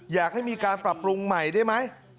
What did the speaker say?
อยากให้มีการปรับปรุงใหม่ได้ไหม